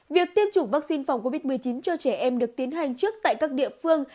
việc tiêm chủng vaccine phòng covid một mươi chín cho trẻ em được tiến hành trước tại các địa phương